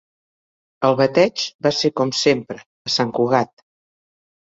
El bateig va ser com sempre: a Sant Cugat